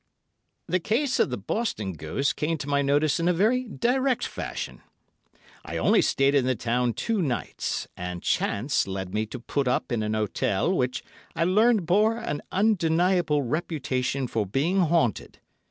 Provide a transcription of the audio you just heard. '" The case of the Boston ghost came to my notice in a very direct fashion. I only stayed in the town two nights, and chance led me to put up in an hotel which I learned bore an undeniable reputation for being haunted.